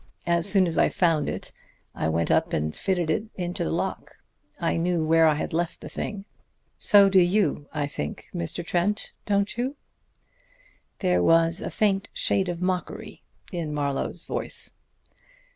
As soon as I found it I went up and fitted it to the lock. I knew where I had left the thing. So do you, I think, Mr. Trent. Don't you?" There was a faint shade of mockery in Marlowe's voice.